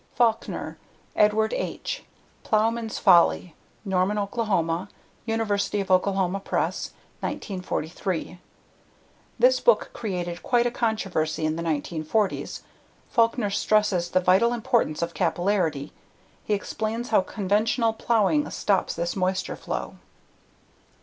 Faulkner, Edward H. Plowman's Folly. Norman, Okla.: University of Oklahoma Press, 1943. This book created quite a controversy in the 1940s. Faulkner stresses the vital importance of capillarity. He explains how conventional plowing stops this moisture flow.